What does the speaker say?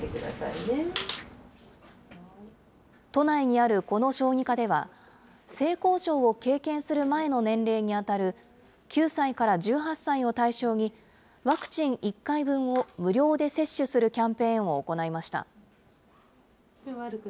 都内にあるこの小児科では、性交渉を経験する前の年齢に当たる９歳から１８歳を対象に、ワクチン１回分を無料で接種するキャンペーンを行いました。